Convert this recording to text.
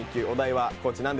お題は地